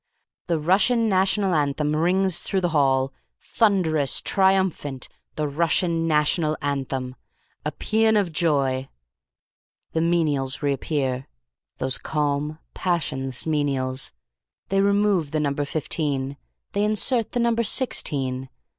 "The Russian National Anthem rings through the hall. Thunderous! Triumphant! The Russian National Anthem. A paean of joy. "The menials reappear. Those calm, passionless menials. They remove the number fifteen. They insert the number sixteen.